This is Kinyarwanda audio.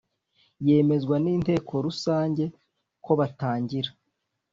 yemezwa n inteko rusange kobatangira